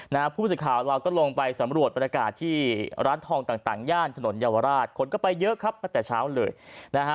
นะฮะผู้สื่อข่าวเราก็ลงไปสำรวจบรรยากาศที่ร้านทองต่างต่างย่านถนนเยาวราชคนก็ไปเยอะครับตั้งแต่เช้าเลยนะฮะ